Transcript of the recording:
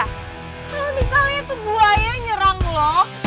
kalau misalnya tuh buaya nyerang lo